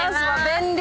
便利！